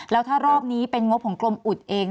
แล้วถ้ารอบนี้เป็นงบของกรมอุดเอง